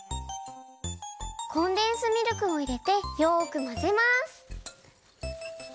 コンデンスミルクをいれてよくまぜます。